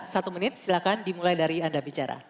satu menit silahkan dimulai dari anda bicara